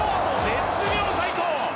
絶妙齋藤。